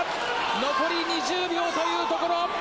残り２０秒というところ。